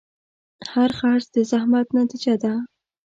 هر خرڅ د زحمت نتیجه ده.